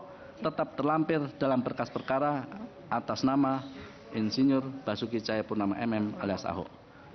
yang tetap terlampir dalam berkas perkara atas nama insinyur basuki cahayapurnama mm alias ahok